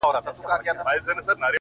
يو خوا يې توره سي تياره ښكاريږي؛